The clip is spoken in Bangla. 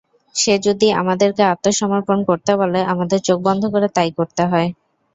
সে যদি আমাদেরকে আত্মসমর্পণ করতে বলে আমাদের চোখ বন্ধ করে তাই করতে হয়।